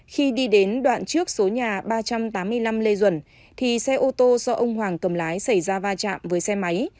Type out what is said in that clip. khi đi đến đoạn trước số nhà ba trăm tám mươi năm lê duẩn thì xe ô tô do ông hoàng cầm lái xảy ra va chạm với xe máy